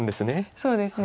そうですね。